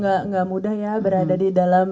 nggak mudah ya berada di dalam